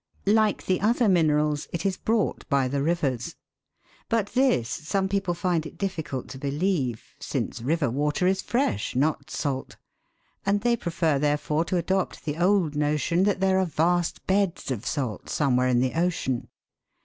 Like the other minerals, it is brought by the rivers ; but this some people find it difficult to believe, since river water is fresh, not salt, and they prefer therefore to adopt the old notion that there are vast beds of salt somewhere in the ocean.